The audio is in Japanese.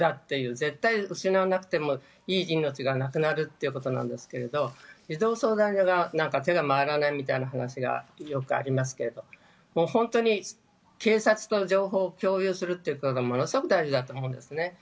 絶対失わなくてもいい命が亡くなるということなんですけれども、児童相談所が手が回らないという話がちょっとありますけど、本当に警察と情報を共有することがものすごく大事だと思うんですね。